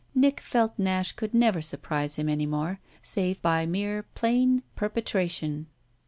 Nick felt Nash could never surprise him any more save by mere plain perpetration.